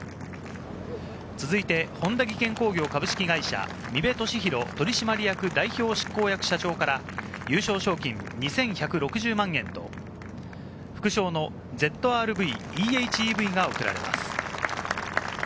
続いて本田技研工業株式会社・三部敏宏取締役代表執行役社長から優勝賞金２１６０万円と、副賞の「ＺＲ‐Ｖｅ：ＨＥＶ」が贈られます。